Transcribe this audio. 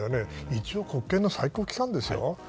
一応、国権の最高機関ですよ。